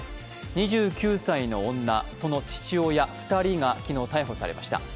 ２９歳の女、その父親２人が昨日、逮捕されました。